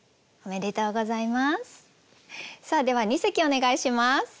では二席お願いします。